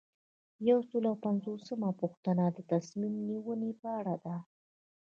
یو سل او پنځوسمه پوښتنه د تصمیم نیونې په اړه ده.